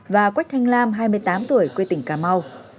và quách thanh lam hai mươi tám tuổi quê tỉnh cà mau